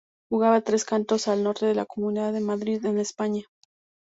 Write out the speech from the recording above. Jugaba en Tres Cantos, al norte de la Comunidad de Madrid, en España.